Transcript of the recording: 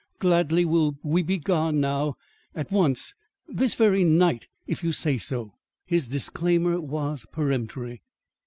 Gladly will we be gone now at once this very night if you say so." His disclaimer was peremptory.